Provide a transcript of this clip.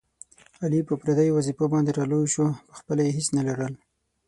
علي په پردیو وظېفو باندې را لوی شو، په خپله یې هېڅ نه لرل.